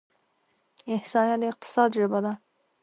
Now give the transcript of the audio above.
احصایه د اقتصاد ژبه ده.